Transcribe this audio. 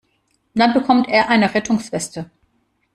Dann bekommt er eine Rettungsweste.